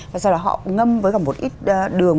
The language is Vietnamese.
và sau đó họ ngâm với cả một ít đường